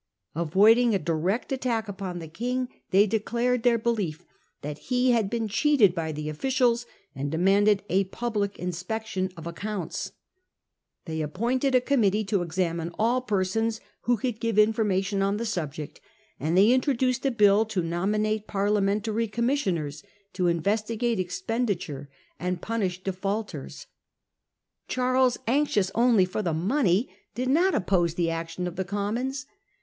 Avoiding a direct attack upon the King, they declared their belief that he had been cheated by the officials, and demanded Opposes a public inspection of accounts. They ap Governmeu° f P ointe ^ a committee to examine all persons expenditure, who could give information on the subject, and they introduced a bill to nominate Parliamentary commissioners to investigate expenditure and punish de faulters. Charles, anxious only for the money, did not oppose the action of the Commons.